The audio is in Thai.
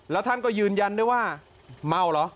แล้วท่านก็ยืนยันด้วยว่าเมาเหรอ